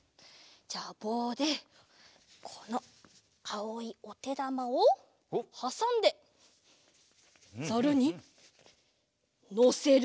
じゃあぼうでこのあおいおてだまをはさんでザルにのせる。